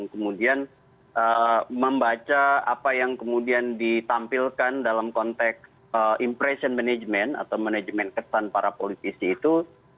kemudian membaca apa yang kemudian ditampilkan dalam konteks impression management atau manajemen kesan para politisi itu